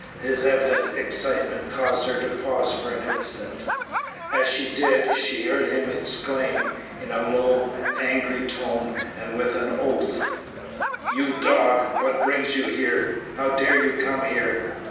His evident excitement caused her to pause for an instant; as she did, she heard him exclaim, in a low, angry tone and with an oath, "You dog! What brings you here? How dare you come here?"